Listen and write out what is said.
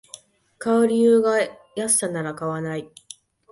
買う理由が安さなら買わない